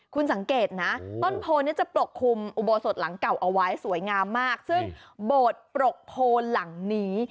คุณสังเกตนะต้นโพเนี่ยจะปกคลุมอุโบสถหลังเก่าเอาไว้สวยงามมากซึ่งโบสถ์ปรกโพนหลังนี้